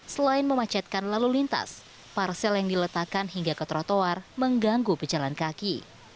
selain memacetkan lalu lintas parsel yang diletakkan hingga ke trotoar mengganggu pejalan kaki